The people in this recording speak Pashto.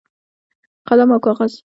قلم او کاغذ